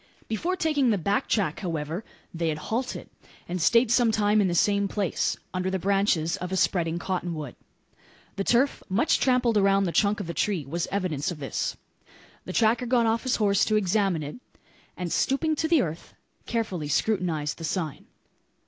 Before taking the back track, however, they had halted, and stayed some time in the same place under the branches of a spreading cottonwood. The turf, much trampled around the trunk of the tree, was evidence of this. The tracker got off his horse to examine it; and, stooping to the earth, carefully scrutinised the sign.